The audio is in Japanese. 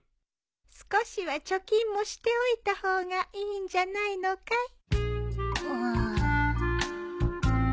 少しは貯金もしておいた方がいいんじゃないのかい？